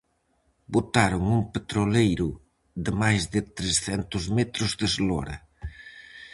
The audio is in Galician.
Botaron un petroleiro de máis de trescentos metros de eslora.